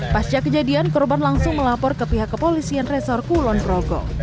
pasca kejadian korban langsung melapor ke pihak kepolisian resor kulon progo